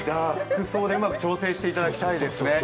服装でうまく調整していただきたいですね。